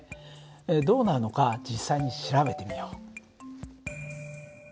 どうなるのか実際に調べてみよう。